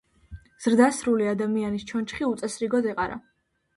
ზრდასრული ადამიანის ჩონჩხი უწესრიგოდ ეყარა.